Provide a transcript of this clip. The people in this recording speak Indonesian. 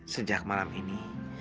sejak malam ini